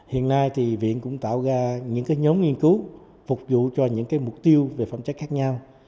hiện nay thì viện cũng tạo ra những nhóm nghiên cứu phục vụ cho những mục tiêu về phẩm chất khác nhau